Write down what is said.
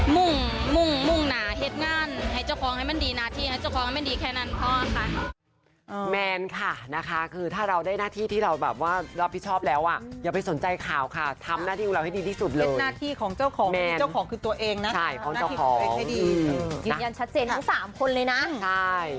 มุ่งมุ่งมุ่งหนาเห็ดงานให้เจ้าของให้มันดีหน้าที่ให้เจ้าของให้มันดีแค่นั้นพ่อค่ะ